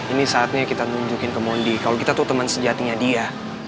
ini saatnya kita nunjukin ke mondi kalau kita tuh teman sejatinya dia